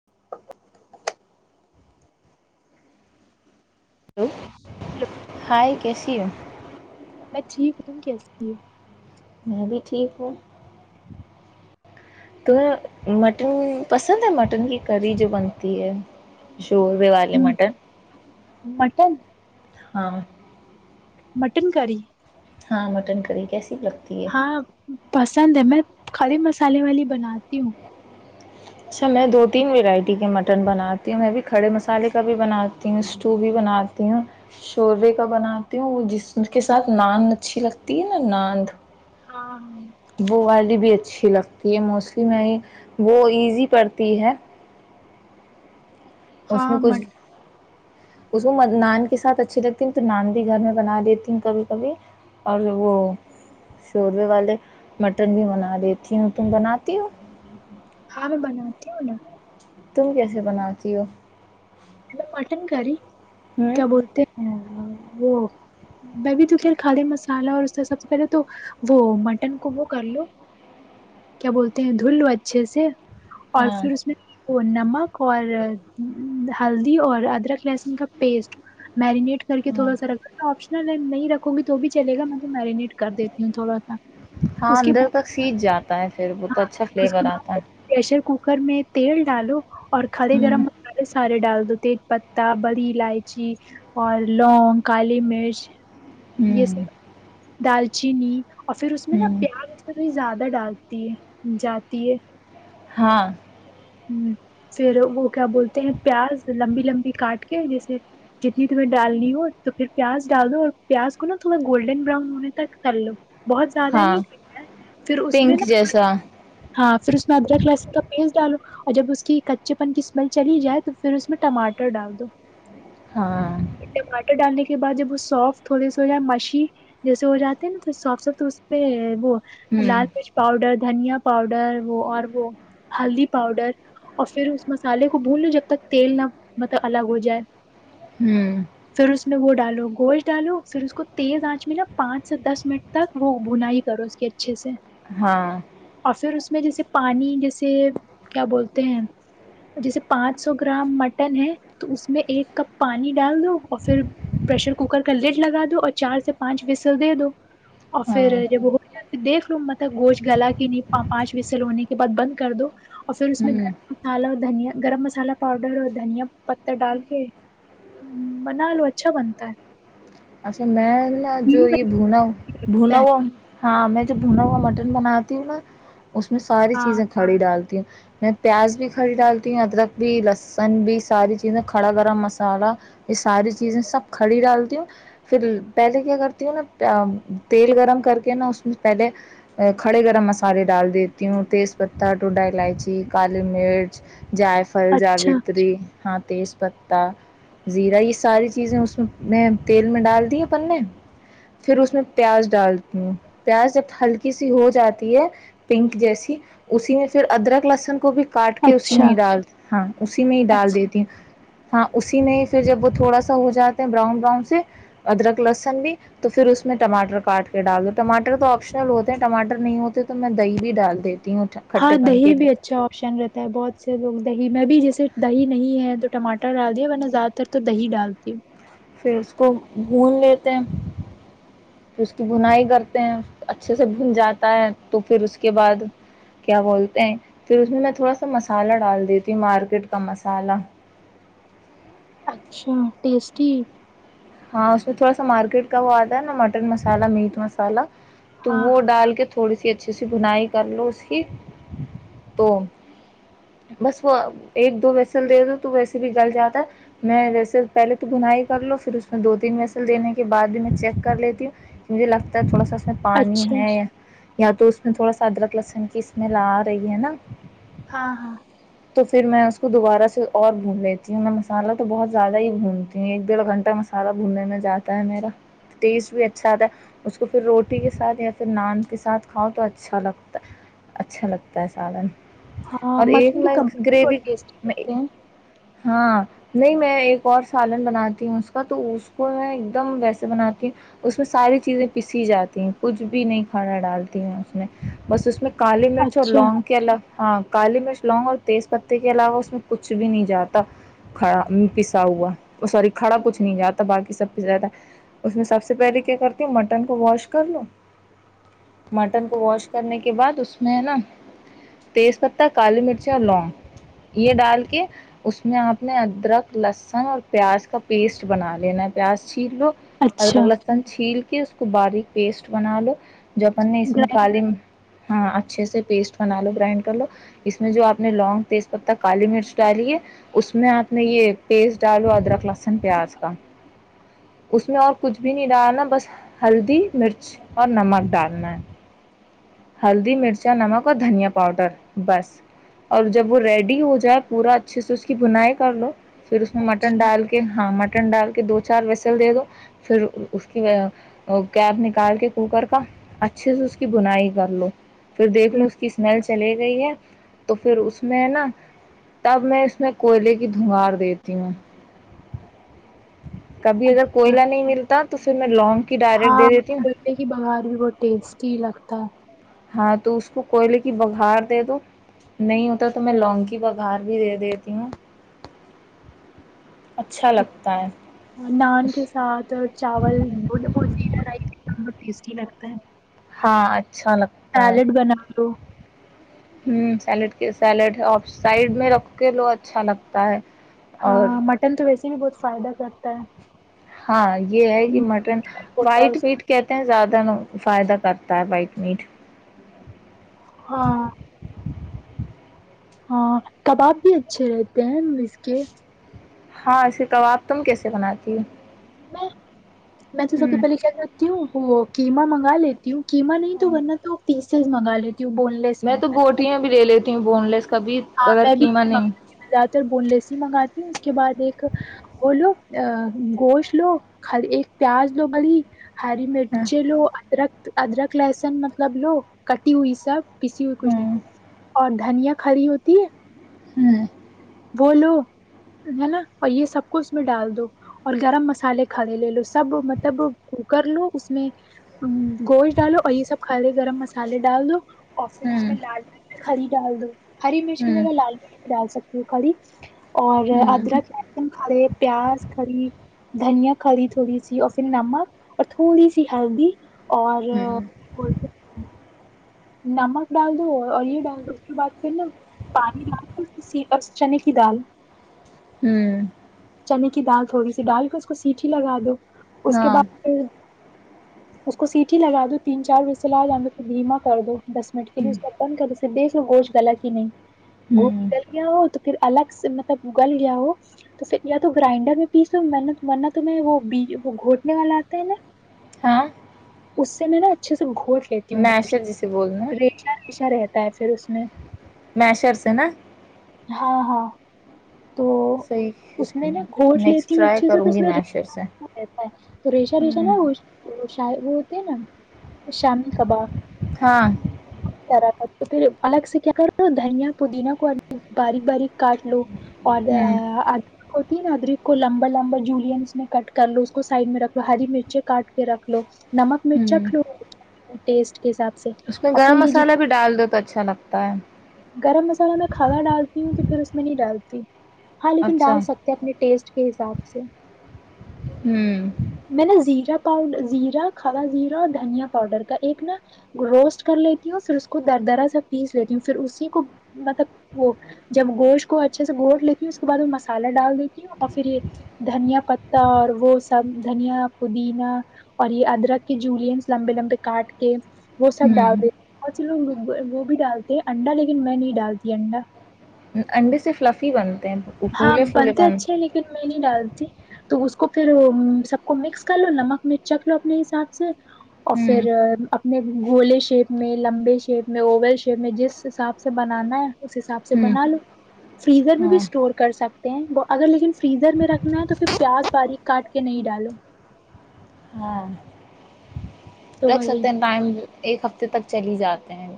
[unintelligible] Hello [unintelligible] hi کیسیو ب ٹھیک ہ تم کیسیے ہو میں بھی ٹھیک ہوں تو مٹن پسند ہے مٹن کی کری جو بنتی ہے چور دی والے ہو مٹن مٹن ہاں مٹن کری ہاں مٹن کری کےس ہاں پسند ہے میں کھڑے مسالے والی بناتی ہوں اچھا میں دو تین ورائٹی کے مٹن بناتی ہوں میں بھی کھڑے مسالے کا بھی بناتی ہوں اسٹو بھی بناتی ہوں شورے کا بناتی ہوں وہ جس کے ساتھ نان اچھی لگتی ہے نا ناند ہاں ہاں ب والی بھی اچھی لگتی کہ یہ موسلم ہے یہ وہ ع پڑتی ہے اس ہاں میں کچھ مٹ اس کو نان کے ساتھ اچھی لگتی تو نان بھی گھر میں بنا دیتی ہوں کبھی کبھی اور وہ شوربے والے مٹن بھی بنا دیتی ہوں تم بناتی ہو ہاں میں بناتی ہوں نا تم کیسے بناتی ہو میں مٹن کری ہوں کیا بولتے ہیں وہ بب تو خ کھدے مسالہ اور اس کا سب سے پہلے تو وہ مٹن کو وہ کر لو کیا بولتے ہیں دھل لو اچھے سے اور ہاں پھر اس میں نم ک اورار ہلدی اور رکھ لہسن کا پیسٹ میرینیٹ کر کے ہاں تھوڑا سا رکھا تھا آپشن نہ نہیں نہیں رکھوں گی تو بھی چل گا میں تو میرینیٹ کر دیتی ہوں تھوڑا سا ہاں اس کے اندر بعد تک سیچ جاتا ہے پھر وہ تو ہاں اچھا اس فلیور کے آتا بعد ہے پریشر کوکر میں تیل ڈالو اور کھارے ہوں گرم مسالے سے ے ڈال دو تیج پتتا بڑی الائچی اور لونگ کالی مرچ جی ہوں سر دال چینی اور پھر اس میں نا ہوں پیاز ا سے توی زیادہ ڈال جاتی ہے ہاں ہ پھر وہ کیا بولتے ہیں پیاز لمبی لمبی کاٹ کے جیسے جتنی تمہیں ڈالنی ہو تو پھر پیاز ڈال دو اور پیاز کو نا تھوڑا گولڈن براؤن ہونے تک تل لو بہت زیادہ ہاں نہیں پھر اس میں پنک نا جیسا ہاں پھر اس میںدر کلاس پیز ڈالو اور جب اس کی کچے پن کی اسمیل چلی جائے تو پھر اس میں ٹماٹر ڈال دو ہاں ٹماٹر ڈالنے کے بعد جب وہ سافٹ تھوڑی س ہو جائے مچی جیسے ہو جاتے ہے نا ساف س اس پہ وہ ہوں لال مرچ پاؤڈر دھنیا پاؤڈر وہ اور وہ ہلدی پاؤڈر اور پھر اس مسالے کو بھون لو جب تک تیل نہ مطلب الگ ہو جائے ہوں پھر اس میں وہ ڈالو گوشت ڈالو پھر اس کو تیز آنچ میں نہ پانچ سے دس منٹ تک وہ بنا ہی کرو اس کے اچھے سے ہاں اور پھر اس میں جیسے پانی جیسے کیا بولتے ہیں جیسے پانچ سو گرام مٹن ہے تو اس میں ایک کپ پانی ڈال دو اور پھر پشر کوکر کا لیڈ لگا دو اور چار سے پانچ وسل دے دو اور ہاں پھر جب ہوتا پھر دیکھ لو مطلب گوشت گلا کی نہیں پانچ وسل ہونے کے بعد بند کر دو اور پھر اس میں ہوں گر مسالہ اور دھنیا گرم مسالہ پاؤڈر اور دھنیا پتہ ڈال کے بنا لو اچھا بنتا ہے اچھا میں نا یہی جو یہ بھنا بھنا بنتا ہے ہو ہاں میں جو بھنا ہوا مٹن بناتی ہوں نا اس میں ساری ہاں چیزیں کھڑی ڈالتی ہوں میں پیاز بھی کھڑی ڈالتی ہوں ادرک بھی لسن بھی ساری چیزیں کھڑا گرم مسالہ یہ ساری چیزیں سب کھڑی ڈالتی ہوں پھر پہلے کیا کرتی ہوں نا تیل گرم کر کے نا اس میں پہلے کھڑے گرم مسالے ڈال دیتی ہوں تیز پتتا ٹو ڈال الائچی کاال مرچ جائ فل اچھا جاوتری ہاں تیز پتہ زیرہ یہ ساری چیزیں اس میں میں تیل ڈال دی پنے پھر اس میں پیاز ڈالتی ہوں پیاز جب ہلکی سی ہو جاتی ہے پنک جیسی اسی میں پھر ادرک لسن کو بھی کاٹ کے اسی میں اچھا ہی ڈال ہاں اسی میں ہی ڈال اچھا دیتی ہ ہاں اسی میں پھر جب وہ تھوڑا سا ہو جاتا براؤن براؤن سے ادرک لہسن بھی تو پھر اس میں ٹماٹر کاٹ کے ڈال دو ٹماٹر تو آپشنل ہوتے ہیںٹماٹر نہیں ہوتے تو میں دہی بھی ڈال دیتی ہوں ہاں کھٹے پن دہی کے بھی لیے۔ اچھا آپشن رہتا ہے بہت سے لوگ دہی میں بھی جیسے صرف دہی نہیں ہے تو ٹماٹر ڈال دیا ورنہ زیادہ تر تو دہی ڈالتی ہوں پھر اس کو بھون لیتے ہیں پھر اس کی بنائی کرتے ہیں اچھے سے بھن جاتا ہے تو پھر اس کے بعد کیا بولتے ہیں پھر اس میں میں تھوڑا سا مسالہ ڈال دیتی ہوں مارکیٹ کا مسالہ اچھا ٹیسٹی ہی ہاں اس میں تھوڑا سا مارکیٹ کا وہ آتا ہے نا مٹن مسالہ میٹ مسالہ تو ہاں وہ ہاں ڈال کے تھوڑی سی اچھی اچھے سےی بنائی کر لو اس کی تو بس وہ ایک دو ویسل دے دو تو ویسے بھی گل جاتا ہے میں ویسے پہلے تو بنائی کر لو پھر اس میں دو تین میسل دینے کے بعد بھی میں چیک کر لیتی ہوں کہ مجھے لگتا ہے تھوڑا سا اس سے پانی اچھا ہے یا تو اس میں تھوڑا سا ادرک لہسن کی اسمیل آ رہی ہے نا ہاں ہاں تو پھر میں اسس کو دوبارہ سے اور بھون لیتی ہوں میں مسالحہ تو بہت زیادہ ہیھونتی ہوں ایک ڈیڑھ گھنٹہ م سادا گھومنے میں جاتا ہے میرا ٹیسٹ بھی اچھا آتا ہے اس کو پھر روٹی کے ساتھ یا پھر نان کے ساتھ کھاؤ تو اچھا لگتا اچھا لگتا ہے سادالن ہاں مٹن کی کمپنی بہت ٹیٹی میں ہیں ہاں نہیں میں ایک اور سالن بناتی ہوں اس کو تو اس کو میں ایک دم ویسے بناتی ہوں اس میں ساری چیزیں پسی جاتی ہ کچھ بھی نہیں کھانا ڈالتی ہ اس میں بس اس میں کالی مرچ اور اچھا لگ کے الگ ہاں کالی مرچ لونگ اور تیز پتے کے علاوہ اس میں کچھ بھی نہیں جاتا کڑا پسا ہوا سور کھڑا کچھ جات باقی سب زیادہ اس میں سب سے پہلے کیا کرتی ہ مٹن کو واش کر لو مٹن کو واش کرنے کے بعد اس میں ہے نا تیز پتہ کالی مرچ اور لونگ یہ ڈال کے اس میں آپ نے ادرک لسن اور پیاز کا پیسٹ ک بنا لین پس [unintelligible] چھیل اچھا ارلہ تند چیل اس کو باریک پیسٹ بنا لو جاپان نے اس میں کال گرائنڈ، [unintelligible] ہاں اچھے سے پیسٹ بنا لو گرائنڈ کر لو اس میں جو آپ نے لونگ تیز پتہ کالی مرچ ڈالی ہے اس میں آپ نے یہ پیسٹ ڈالو ادرک لہسن پیاز اس میں اور کچھ بھی نہیں ڈالنا بس ہلدی مرچ اور نمک ڈالنا ہے ہلدی مرچا نمک اور دھنیا پاؤڈر بس اور جب وہ ریڈی ہو جائے پورا اچھے سے اس کی بنائی کر لو پھر اس میں مٹن اچھا ڈال کے ہاں مٹن ن ڈال کے دو چار وسل دے دو پھر اس کی گب نکال کے کوکر کا اچھ اچھے سے اس کی بنائی کر لو پھر دیکھ ہوں، لو اس کی اسمیل چلی گئی ہے تو پھر اس میں نا تب میں اس میں کوئلے کی دھونگار دیتی ہوں کبھی اگر اچھا کوئلہ نہیں ملتا تو تو پھر میں لونگ [unintelligible] ہاں دے دیتی ہوں پہلے کی بگار بھی بہت ٹیسٹی لگتا ہے ہاں تو اس کو کوئلے کی بگھار دے دو نہیں ہوتا تو میں لونگ کی بگھار بھی دے دیتی ہوں اچھا لگتا ہے نان کے ساتھ چاول بول ب س ہی لگتا ہے [unintelligible] ہاں اچھا اچھا لگتا ہے سیلیڈ بنا لو ہ سیلیڈ سیلیڈ ہے آف سائڈ میں رکھ کے لو اچھا لگتا ہے اور ہاں مٹن تو اس بھی بہت فائدہ کرتا ہے ہاں یہ ہے کہ ہوں، مٹن ہوتا ہے وائٹ اس میں۔ میٹ کہتے ہیں زیادہ ت فائدہ کرتا ہے وائٹ میٹ ہاں ہاں کباب بھی اچھے رہتے ہیں اس کے ہاں اسے کباب تم کیسے بناتی ہو میں میں تو سب سے ہ پہلے کیا کرتی ہوں وہ قمہ منگ کا لیتی ہوں قیمہ نہیں تو ورننا تو تیس یز مگای میں تو بوٹیاں بھی لے لیتی بون لیس کبھی ہاں بغیر میں قیمہ نہیں بھیر بون لیس ہی منگاتی ہوں اس کے بعد ایک وہ لو ا گوشت لو خالی ایک پیاز لو ملی ہری ہ مرچی لو ادرکت ادرک لہسن مطلب لو کٹی ہوئی سب کسی کوئی کچھ نہیں ہ اور دھنیا خری ہوتی ت ہے [inaudible] ھم وہ لو ہے نا اور یہ سب کو اس میں ڈال دو اور گرم مسالے کھے لے لو سب مطلب کوکر لو اس میں گوشت ڈالو اور یہ سب کھے گرم مسالے ڈال دو اور پھر اس میں لال مرچ کھڑی ڈال دو ہری مرچ کی ہ ہ جگہ لال مرچ بھی ڈال سک ہیں کالی اور ہوں ادرک لہسن کھڑے پیاز کھڑی دھنیا کھالی تھوڑی سی اور پھر نمک اور تھوڑی سی ہلدی اور ہوں پھلتے نمک ڈال دو اور یہ ڈال دو اس کے بعد پھر نا پانی ڈال دو اس سی چنے کی دال ھم چنے کی دال تھوڑی سی ڈال کے اس کو سیٹی لگا دو اس کے ہاں بعد اس کو سیٹی لگا دو تین چار وسل انے دو اس کے بعد دھیما کرد دو دس منٹ کے لیے ہوں اس کا بند کر پھر دیکھ لو گوشت گلا کی نہیں ہوں گوشت گل گیا ہو تو پھر الگ مطلب اگل گیا ہو تو پھر یا تو گرائنڈر میں پیسو منا توم وہ وہ گھوٹنے والا آتا ہے نا ہا اس سے میں نا اچھ سے گھوٹ لیتی ہوں گوشٹ [unintelligible] پیشا رہتا ہے پھر اس میں میں شر سے نا ہاں ہاں تو اس میں صحیح نا گ نیکسٹ ٹرائی کروں گی میشر سے ہوں [unintelligible] تے نا [unintelligible] شامی کباب ہاں طر کا [unintelligible] تو پھر الگ سے کیا کر لو دھنیا پودینہ کو ال باریک باریک کاٹ لو [unintelligible] ہوں اور [unintelligible] تین ادرک کو لمبا لمبا جولینس میں کٹ کر لو اس کو سائڈ میں رکھ لو ہری مرچے کاٹ کے رکھ لو [unintelligible] نمک مرچا ہوں کلو [unintelligible] ٹیسٹ [unintelligible] اس میں اور پھر گرم یہ مسالہ بھی جتنا ڈال دو تو اچھا لگتا [unintelligible] ہے [unintelligible] گرم مسالہ میں کھڑا ڈالتی ہوں تو پھر اس میں نہیں ڈالتی [unintelligible] ہاں لیکن اچھا ڈال ہوں سکتے ہیں اپنے ٹیسٹ [unintelligible] کے حساب سے [unintelligible] ہوں [unintelligible] میں نے زیرا پاؤڈر زیرا کھڑا زیرا اور دھنیا پاؤڈر کا ایک نا روسٹ کر لیتی ہوں پھر اس کو در درا سےا پیس لیتی ہوں پھر اسی کو مطلب وہ جب گوشت کو اچھے سے دھو لیتی ہوں اس کے بعد وہ مسالہ ڈال دیتی ہوں اور پھر یہ دھنیا پتتا اور وہ سب [unintelligible] دھنیا پودینا اور یہ ادرک کے جولینس لمبے لمبے کاٹ کے وہ سب ڈال ہوں دیتے بہت سے لوگ وہ بھی ڈالتے ہیں انڈا لیکن میں نہیں ڈالتی انڈا [unintelligible] انڈے سے فلفی بن [unintelligible] ہاں پھولے پھولے بنتے اچھے ہیں لیکن میں نہیں ڈالتی [unintelligible] تو اس کو پھر سب کو مکس کر لو نمک میں چکھ لو اپنے حساب سے اور ہوں پھر اپنے گولے شیپ میں لمبے شیپ میں اوول شیپ میں جس حساب سے بنانا ہے اس حساب سے ہوں بنا لو فریزر میں بھی ہاں [unintelligible] اسٹور کر سکتے ہیں وہ اگر لیکن فریزر میں رکھنا ہے تو پھر پیاز باریک کاٹ کے نہیں ڈالو [unintelligible] ہاں تو رکھ وہی سکتے ہیں ٹائم ایک ہفتے [unintelligible] تک چلی جاتے ہیں [unintelligible]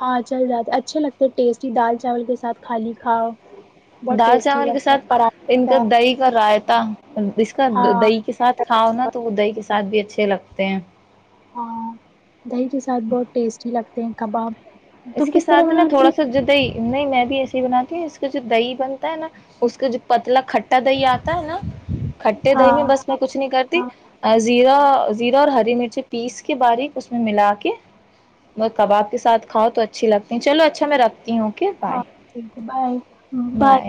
ہاں چل جاتے اچھے لگتے ٹیسٹی دال چاول کے ساتھ خالی کھاؤ [unintelligible] دال ٹیسٹی چاول کے لگتا ہے ساتھ ان کا پراٹھا دہی کا رائتہ [unintelligible] تا [unintelligible] اس کا ہاں دہی کے ساتھ کھاؤ نا تو وہ دہی کے ساتھ بھی اچھے اچھے لگتے ہیں ہاں دہی کے ساتھ بہت ٹیسٹی لگتے ہیں کباب اس تم کے کس طرح ساتھ نا بناتی تھوڑا سا ہو جدئی نہیں میں بھی ایسے ہی بناتی اس کا جو دہی بنتا ہے نا اس کا جو پتلا کھٹا دہی آتا ہے نا کھٹے دہی میں ہاں بس میں کچھ نہیں کرتی ہاں زیرا زیرا اور ہری مرچ پیس کے باریک اس میں ملا کے کباب کے ساتھ کھاؤ تو اچھی لگتی چلو اچھا میں رکھتی ہوں اوکے بائے ہاں ٹھیک ہے بائے بائے